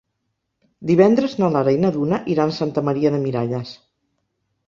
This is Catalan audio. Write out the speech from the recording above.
Divendres na Lara i na Duna iran a Santa Maria de Miralles.